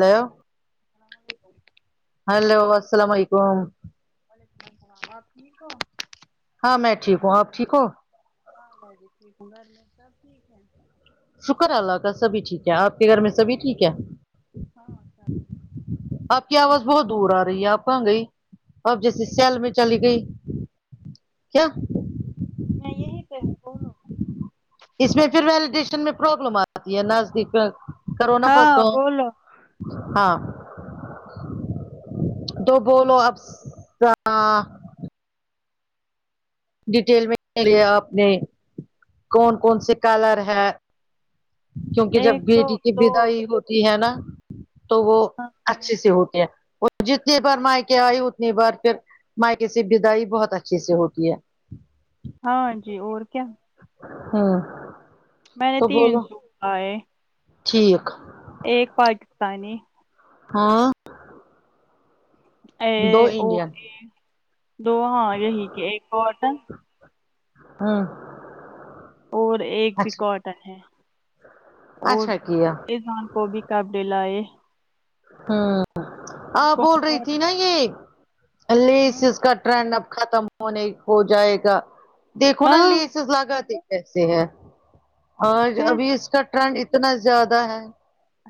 hello السلام علیکم hello السلام علیکم وعلیکم السلام آپ ٹھیک ہو ہاں میں ٹھیک ہوں آپ ٹھیک ہو ہاں میں بھی ٹھیک ہوں گھر میں سب ٹھیک ہے شکر اللہ کا سبھی ٹھیک ہے آپ کے گھر میں سبھی ٹھیک ہے ہاں سب ٹھیک ہے آپ کی آواز بہت دور آرہی ہے آپ کہاں گئی آپ ہے میں جیسے یہی سیل پہ میں چلی گئی کیا میں یہی پے ہوں بولو اس میں پھر ویلیڈیشن میں پرابلم آتی ہے نزدیک کرونا پ ہاں کا بولو ہاں تو بولو اب سآ ڈیٹیل میں لیے اپ نے کون کون سے کلر ہے کیونکہ جب ایک تو بیٹی کی دو بدائی ہوت تی ہے نا تو وہ ہاں اچھے سے ہوتے ہیں وہ جتنے بار مائکے آئی اتنی بار پھر مائکے سے بدائی بہت اچھے سے ہوتی ہے ہاں جی اور کیا ہوں میں نے تین سو پہ ہے ٹھیک ایک پاٹ پانی ہاں اے دو اور انڈین کے دو ہاں یہی کے ایک اورٹم ہوں اور ایک بھی کاٹن ہے اور اچھا کیا عزام کو بھی کب ڈل لایۓ ہوں اپ اس کو بول رہی تھی کاٹن نا یہ ایلیز ہوں اس کا ٹرینڈ اب ختم ہونے ہو جائے گا دیکھو نا لیسیز ہاں لگاتے کیسے ہے آج ابھی اس کا ٹرینڈ اتنا زیادہ ہے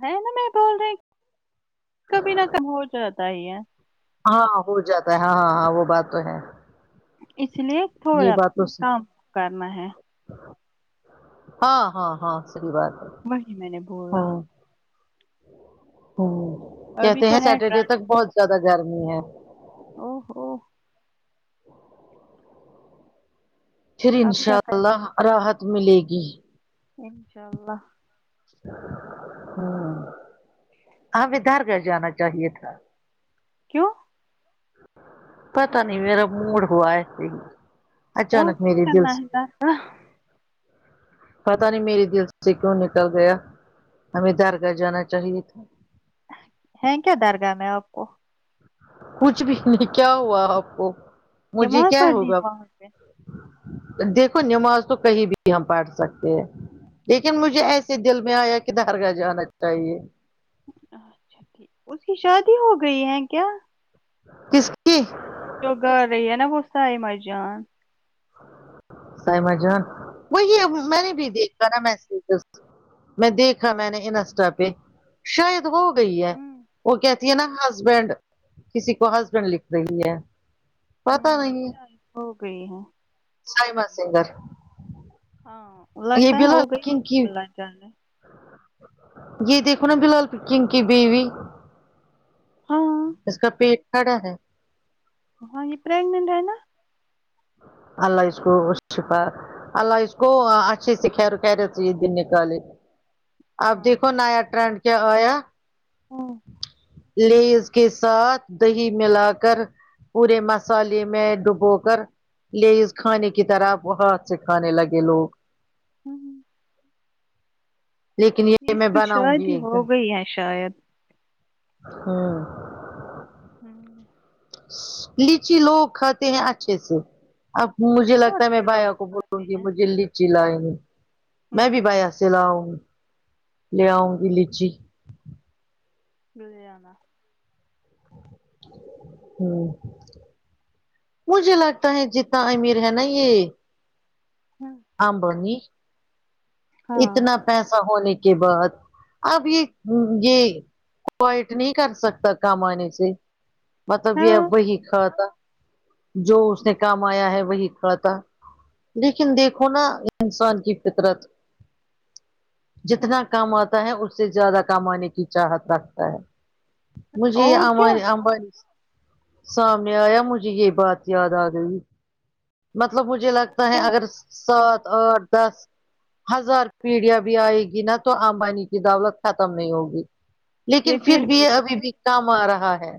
ہے نا میں بول رہے کبھی نہ کم ہو جاتا ہی ہے ہاں ہو جاتا ہے ہاں ہاں ہاں وہ بات تو ہے اس لیے یہ تھوڑا بات تو کام کرنا ہے ہاں ہاں ہاں صحیح بات ہے وہی میں نے بولا ہاں ہوں ابھی کہتے تو ہیں ہے سیٹرڈے تک ٹرانسفر بہت زیادہ گرمی ہے او ہو پھر آپ کیا انشاء کر اللہ راحت ملے گی انشاء اللہ ہوں آ بدھار گھر جانا چاہیے تھا کیوں پتا نہیں میرا موڈ ہوا ایسے ہی وہاں اچانک پہ کیا میرے دل کرنا ہے سے درگاہ پتا نہیں میری دل سے کیوں نکل گیا ہمیں درگاہ جانا چاہیے تھا ہے کیا درگاہ میں آپ کو کچھ بھی نہیں کیا ہوا آپ کو مجھے نماز کیا پڑھنی ہوگا ہے وہاں پہ دیکھو نماز تو کہیں بھی ہم پڑھ سکتے ہیں لیکن مجھے ایسے دل میں آیا کہ درگاہ جانا چاہیے اچھا ٹھیک اس کی شادی ہو گئی ہے کیا کس کی جو گھر رہی ہے نا وہ سائمہ جان سائمہ جان وہی میں نے بھی دیکھا نا م میں دیکھا میں نے انسٹا پہ شاید ہو گئی ہے ہوں وہ کہ یہ نہ ہسبینڈ کسی کو ہسبینڈ لکھ رہی ہے پتا ہوں نہیں شاید ہو گئی ہے سائمہ سنگر ہاں یہ لگتا ہے بلا ہو گئی ہے کن کی اللہ جانے یہ دیکھو نا بلال کن کی بیوی ہاں اس کا پیٹ کھڑا ہے ہاں یہ پراگنٹ ہے نا اللہ اس کو شفا اللہ اس کو اچھے سے خیر و خیریت سے یہ دن نکالے اب ہاں دیکھو نیا ٹرینڈ کیا آیا ہمم لیز کے ساتھ دہی ملا کر پورے مسالے میں ڈوبو کر لیز کھانے کی طرح ہاتھ سے کھانے لگے لوگ ہمم لیکن یہ میں اس پہ بناؤں گی شادی ایک ہو دن گئی ہے شاید ہوں ہمم لیچی لوگ کھاتے ہیں اچھے سے اب مجھے بہت لگتا ہے میں سے لوگ بایا کو بولوں کھاتے گی ہیں مجھے لیچی لائے میں بھی ہوں بایا چلاؤں لے آؤں گی لیچی لے آنا ہوں مجھے لگتا ہے جتنا امیر ہے نا یہ ہاں امبانی ہاں اتنا پیسہ ہونے کے بعد اب یہ یہ کوائٹ نہیں کر سکتا کامانے سے مطلب ہاں یہ وہی کھاتا جو اس نے کمایا ہے وہی کھاتا لیکن دیکھو نا انسان کی فطرت ہوں جتنا کام آتا ہے اس سے زیادہ کام آنے کی چاہت رکھتا ہے مجھے اور کیا یہانی امبانی سامنے آیا مجھے یہ بات یاد آ گئی مطلب مجھے لگتا ہے کیا اگر سات آٹھ دس ہزار پیڑیا بھی آئے گی نا تو امبانی کی دولت ختم نہیں ہوگی لیکن پھر بھی ابھی بھی کام آ رہا ہے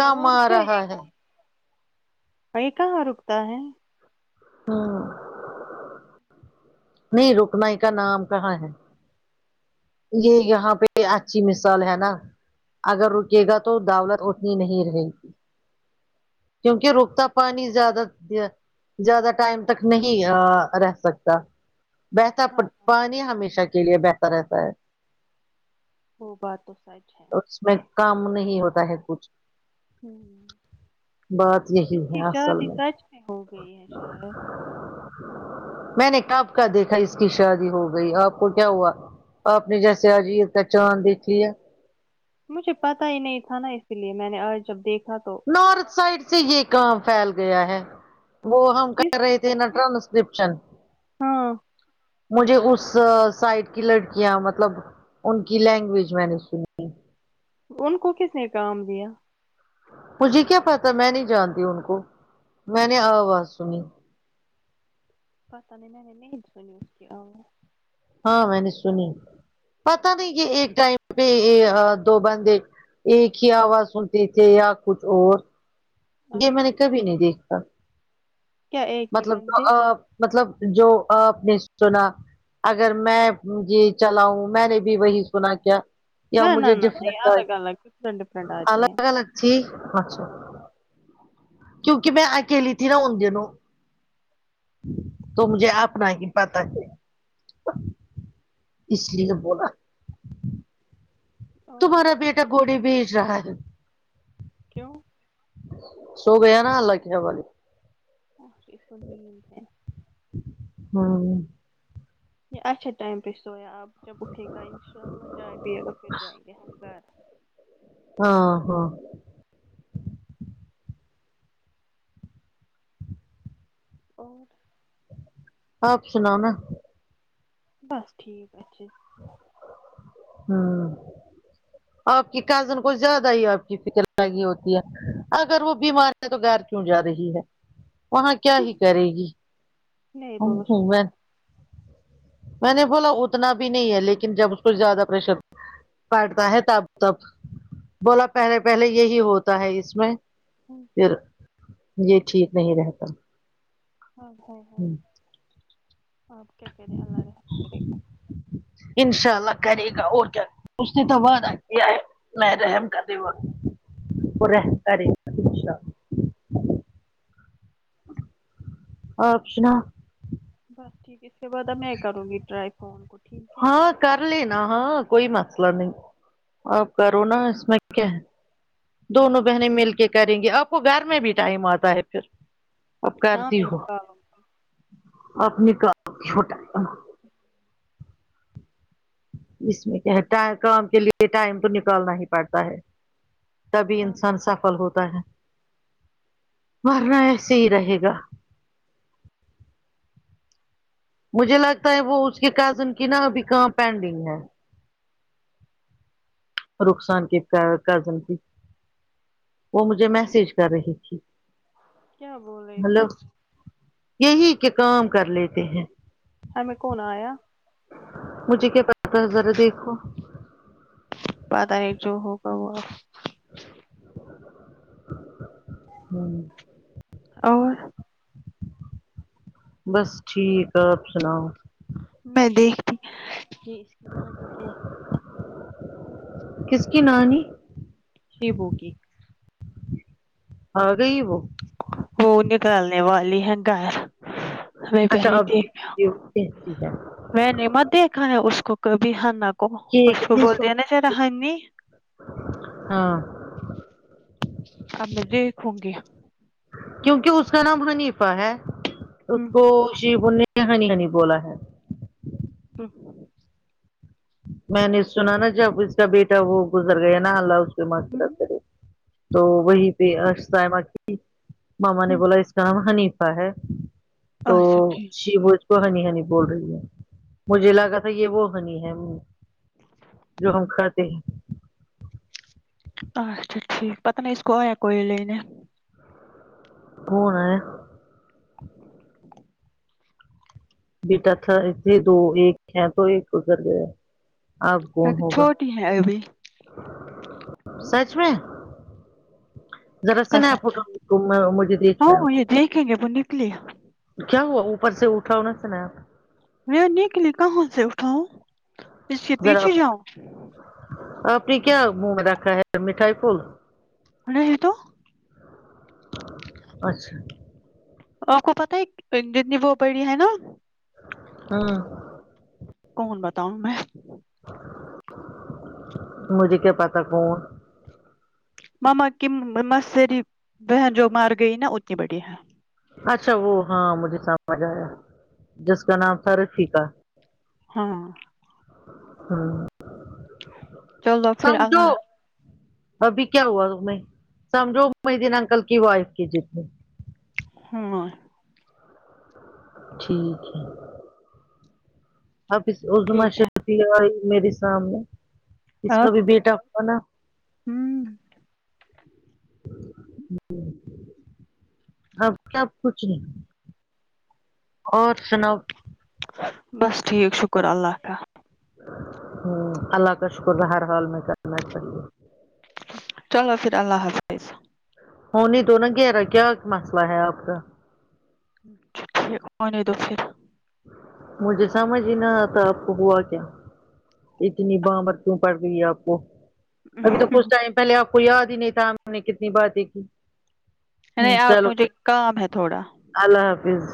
کام اور آ کیا یہ رہا ہے کہاں یہ کہاں رکتا ہے ہ نہیں رکنے کا نام کہاں ہے یہ یہاں پہ اچھی مثال ہے نا اگر رکے گا تو دولت اتنی نہیں رہے گی کیونکہ رکتا پانی زیادہ دیا زیادہ ٹائم تک نہیں ا رہ سکتا بہتا ہاں پانی ہمیشہ کے لیے بہتر رہتا ہے وہ بات تو سچ ہے اس میں کام نہیں ہوتا ہے کچھ ہوں بات یہی اس کی ہے اصل شادی سچ میں ہو گئی ہے شاید میں نے کب کا دیکھا اس کی شادی ہو گئی آپ کو کیا ہوا آپ نے جیسے عجیز کا چاند دیکھ لیا مجھے پتا ہی نہیں تھا نا اسی لیے میں نے آج جب دیکھا تو نارتھ سائڈ سے یہ کام فھیل گیا ہے وہ ہم کر کس نے رہے تھے نا بولا ٹرانسکرپشن ہاں مجھے اس سائڈ کی لڑکیاں مطلب ان کی لینگویج میں نے سنی ان کو کس نے کام دیا مجھے کیا پتا میں نہیں جانتی ان کو میں نے آواز سنی پاتانے ن سو اسکے ا ہاں میں نے سنی پتہ نہیں کہ یہ ایک ٹائم پہ یہ ا دو بندے ایک ہی آواز سنتے تھے یا کچھ اور یہ میں نے اچھا کبھی نہیں دیکھا کیا ایک ہی مطلب تو بندے اپ مطلب جو اپ نے سنا اگر میں یہ چلاؤں میں نے بھی وہی سنا کیا نہ یا نہ مجھے نہ ڈفرنٹ یہ بیگ الگ الگ ڈفرنٹ ڈفرنٹ آتے ہیں الگ الگ جی اچھا ہاں کیونکہ میں اکیلی تھی نا ان دنوں تو مجھے اپنا ہی پتاہ ہے اس لیے بولا اور تمہارا بیٹا گھوڑے بھیج رہا ہے کیوں سو گیا نا اللہ کے حوالے ابھی تو نہیں ہے ہوں یہ اچھا ٹائم پہ سویا آپ جب اٹھے گا انشاء اللہ چائے پیے گا پھر جائیں گے ہم گھر ہاں ہاں اور آپ سناؤ نا بس ٹھیک اچھے سے ہے ہوں آپ کی کزن کو زیادہ ہی آپ کی فکر لگی ہوتی ہے اگر وہ بیمار تو گر کیوں جا رہی ہے وہاں کیا ہی کرے گی نہیں بولو میں سکار میں نے بولا اتنا بھی نہیں ہے لیکن جب اس کو زیادہ پریشر پڑتا ہے تب تب بولا پہلے پہلے یہی ہوتا ہے اس میں ہوں پھر یہ ٹھیک نہیں رہتا ہیے ہیے ہیے اوکے پھر اللہ رحم کریگا انشاء اللہ کرے گا اور کیا اس نے تو وعدہ کیا ہے نۓ رحم کر دے وہ وہ رحم کرے آنشا آپ سناؤ بس ٹھیک اس کے بعد اب میں کروں گی ٹرائی فون کو ٹھیک ہے نا ہاں کر لینا ہاں کوئی مسئلہ نہیں اپ کرو نا اس میں کہ دونوں بہنیں مل کے کریں گے آپ کو گھر میں بھی ٹائم آتا ہے پھر اب ہاں کرتی میں ہوں نکالوں اپنے کا چھوٹا آیا [unintelligible] اس میں کیا ہے ٹائی کام کے لیے ٹائم تو نکالنا ہی پڑتا ہے تبھی ہاں انسان سفل ہوتا ہے ورنا ایسے ہی رہے گا مجھے لگتا ہے وہ اس کے کزن کی نا ابھی کام پینڈنگ ہے رخسان کس کا ہے کزن کی وہ مجھے میسج کر رہی تھی کیا بول رہی ملو تھی یہی کے کام کر لیتے ہیں ہ میں کون آیا مجھے کیا پتا ہے ذرا دیکھو پیدا ایک جو ہوگا وہ ہوں اور بس ٹھیک آپ سناؤ میں دیکھتی ہ کہ اس کی نانی کہ کس کی نانی ایبو کی آگیی وہ وہ نکالنے والی ہیں گھر ہمیں اچھا پہلے اب دے دیکھ لیجیے وہ کہتی ہے میں نے مت دیکھا ہے اس کو کبھی ہنا کو کہ اس کو کتنے بول سو تے ہے نا زیادہ ہنی ہاں اب میں دیکھوں گی کیونکہ اس کا نام حنیفہ ہے اس ہوں کو شیبو نے یہ ہنی ہنی بولا ہے [unintelligible] میں نے سنا نا جب اس کا بیٹا وہ گزر گیا ہے نا اللہ اس کی ہوں مغفرت کرے تو وہی پہ [unintelligible] کی ماما نے ہوں بولا اس کا نام حنیف تا ہے تو اچھا ٹھیک شیبو تو ہنی ہنی بول رہی ہے مجھے لگا تھا یہ وہ ہنی ہے و جو ہم کھاتے ہیں اچھا ٹھیک پتا نہیں اس کو آیا کوئی لینے کون آیا بیٹا تھا ایک یا دو ایک ہے تو ایک گزر گیا آب کون لیکن ہوگا چھوٹی ہے ابھی سچ میں ذرا سا نیا قسم سے فوٹو [unintelligible] میں مجھے دیکھنا ہاں ہے یہ دیکھیں گے بنے لیا کیا ہوا اوپر سے اٹھا ہو نا تھانہ میرا نیک لیے کہاں سے اٹھاؤں اس کے ذرا پیچھے جاؤں اپ نے کیا منہ میں رکھا ہے مٹھائی پھول نہیں تو اچھا اپ کو پتہ ہے پینڈن وہ پڑی ہے نا ہم کون بتاؤں میں مجھے کیا پتہ کون ماما کی ماما ساری بہن جو مر گئی ہے نا اتنی بڑی ہے اچھا وہ ہاں مجھے سمجھ آیا جس کا نام فر ٹھیکا ہاں ہاں چلو پھر سمجھو اللہ ابھی کیا ہوا انہیں سمجھو میں دن انکل کی وائف کی جتنی ہوں ا ٹھیک ہے اب اس عظمی ٹھیک ہے شرفی آئی میرے سامنے اس کا آپ بھی بیٹا ہو نا ہوں اب کیا کچھ نہیں اور سناؤ بس ٹھیک شکر اللہ کا اللہ کا شکر ہر حال میں کرنا چاہیے چلو پھر اللہ حافظ ہونے دو نا گیرا کیا مسئلہ ہے اپ کا ٹھیک انے دو پھر مجھے سمجھ ہی نہ آتا آپ کو ہوا کیا اتنے بامر کیوں پڑ رہی ہے اپ کو ابھی تو کچھ ٹائم پہلے آپ کو یاد ہی نہیں تھا ہم نے کتنی بار دیکھی ہے اپ مجھے کام ہے تھوڑا اللہ حافظ